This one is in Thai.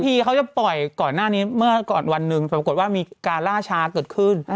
นี่ก่อนหน้านี้เมื่อก่อนวันหนึงปรากฏว่ามีการล่าช้าเกิดขึ้นอึม